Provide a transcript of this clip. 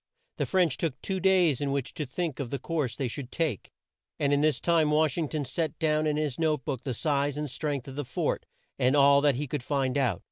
The French took two days in which to think of the course they should take, and in this time Wash ing ton set down in his note book the size and strength of the fort and all that he could find out.